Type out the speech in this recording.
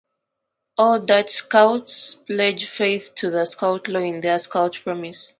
All Dutch Scouts pledge faith to the Scout law in their Scout Promise.